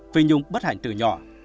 phi nhung bất hạnh từ nhỏ